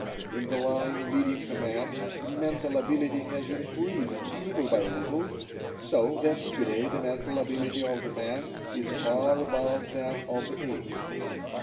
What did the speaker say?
In the line leading to man, mental ability has increased little by little so that today the mental ability of the man is far above that of the ape.